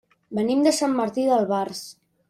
Venim de Sant Martí d'Albars.